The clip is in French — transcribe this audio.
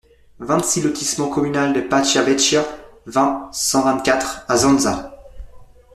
vingt-six lotissement Communal de Pascia Vecchia, vingt, cent vingt-quatre à Zonza